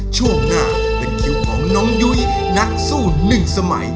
ช่วงหน้าเป็นคิวของน้องยุ้ยนักสู้หนึ่งสมัย